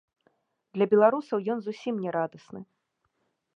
Для беларусаў ён зусім не радасны.